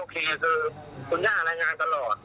คุณจะหารายงานตลอด